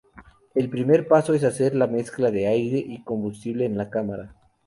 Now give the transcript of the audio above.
El primer paso es hacer la mezcla de aire y combustible en la cámara.